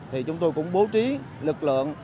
thì chúng tôi cũng bố trí lực lượng